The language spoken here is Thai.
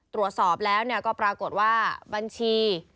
ตรวจสอบแล้วก็ปรากฏว่าบัญชี